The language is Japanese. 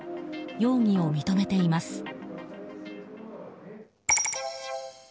容疑を認めています。